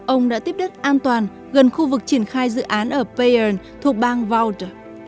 ông đã tiếp đất an toàn gần khu vực triển khai dự án ở payern thuộc bang vaud